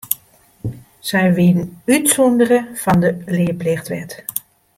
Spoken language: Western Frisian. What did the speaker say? Sy wienen útsûndere fan de learplichtwet.